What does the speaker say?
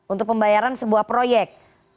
untuk pembayaran sebuah proyek